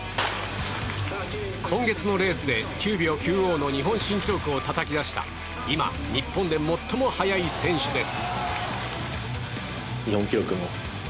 今月のレースで９秒９５の日本新記録をたたき出した今、日本で最も速い選手です。